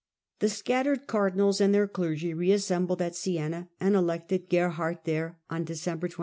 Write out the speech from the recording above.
The scattered cardinals and their clergy re assembled at Siena and elected Gerhard there on December 28.